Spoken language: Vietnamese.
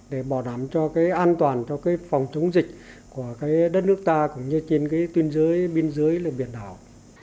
để bảo đảm cho an toàn phòng chống dịch của đất nước ta cũng như trên tuyên giới biên giới biển đảo